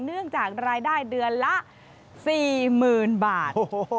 เนื่องจากรายได้เดือนละ๔๐๐๐บาท